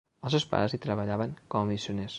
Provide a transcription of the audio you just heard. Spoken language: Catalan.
Els seus pares hi treballaven com a missioners.